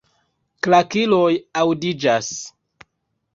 Klakiloj aŭdiĝas.